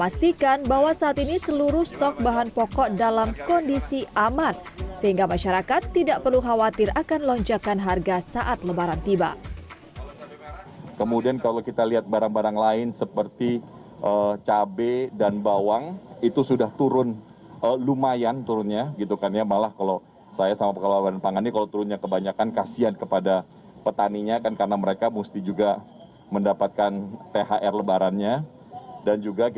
sehingga masyarakat tidak perlu khawatir akan lonjakan harga saat lebaran tiba